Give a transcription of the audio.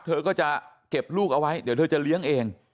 เธอก็จะเก็บลูกเอาไว้เดี๋ยวเธอจะเลี้ยงเอง